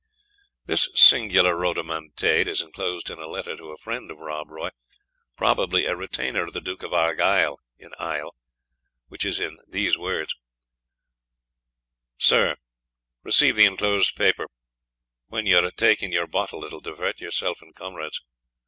This singular rhodomontade is enclosed in a letter to a friend of Rob Roy, probably a retainer of the Duke of Argyle in Isle, which is in these words: "Sir, Receive the enclosd paper, qn you are takeing yor Botle it will divert yorself and comrad's.